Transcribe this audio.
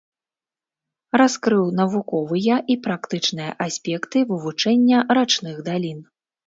Раскрыў навуковыя і практычныя аспекты вывучэння рачных далін.